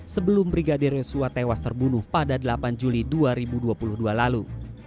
sebelum brigadir yosua tewas terbunuh pada delapan juli dua ribu dua puluh dua lalu